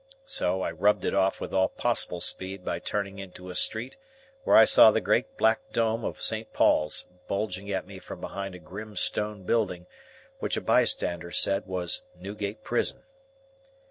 So, I rubbed it off with all possible speed by turning into a street where I saw the great black dome of Saint Paul's bulging at me from behind a grim stone building which a bystander said was Newgate Prison.